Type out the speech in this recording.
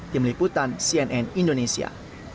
tim liputan cnn indonesia